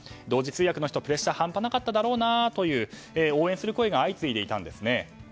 同時通訳の人プレッシャー半端なかっただろうなと応援する声が相次いでいたんです。